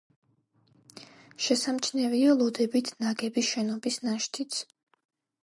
შესამჩნევია ლოდებით ნაგები შენობის ნაშთიც.